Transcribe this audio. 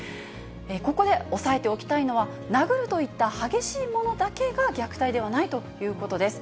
ここで押さえておきたいのは、殴るといった激しいものだけが虐待ではないということです。